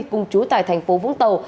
cùng trú tại tp vũng tàu